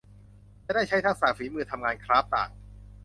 จะได้ใช้ทักษะฝีมือทำงานคราฟต์ต่าง